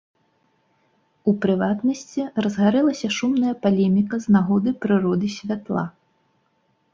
У прыватнасці, разгарэлася шумная палеміка з нагоды прыроды святла.